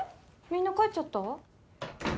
みんな帰っちゃった？